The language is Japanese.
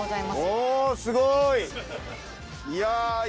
おおすごい！